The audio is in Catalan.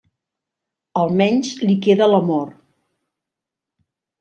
Almenys li queda l'amor.